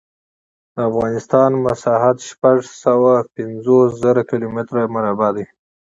د افغانستان مسحت شپږ سوه پنځوس زره کیلو متره مربع دی.